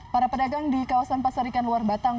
para pedagang di kawasan pasar ikan luar batang